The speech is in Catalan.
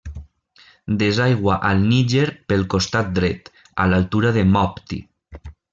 Desaigua al Níger pel costat dret, a l'altura de Mopti.